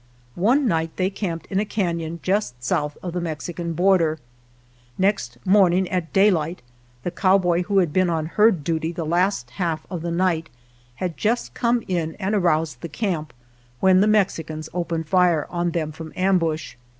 One night they camped in a canon just south of the Mexican border. Next morning at day light, the cowboy who had been on herd 88 OTHER RAIDS duty the last half of the night had just come in and aroused the camp when the Mexicans opened fire on them from ambush.